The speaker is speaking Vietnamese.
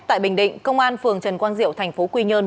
tại bình định công an phường trần quang diệu thành phố quy nhơn